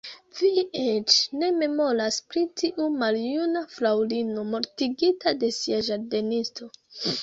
Vi eĉ ne memoras pri tiu maljuna fraŭlino mortigita de sia ĝardenisto.